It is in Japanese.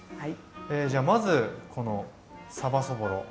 じゃあまずこのさばそぼろ。